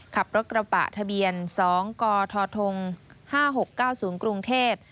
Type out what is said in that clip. ขับรถกระบะทะเบียน๒กทท๕๖๙๐กรุงเทพฯ